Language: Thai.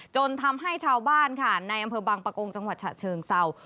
จนทำให้ชาวบ้านค่ะในอำเภอบางปะโกงจังหวัดฉะเชิงเศร้า